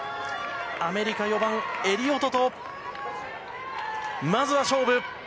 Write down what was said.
アメリカ４番、エリオトとまずは、勝負！